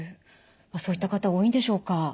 そういった方多いんでしょうか？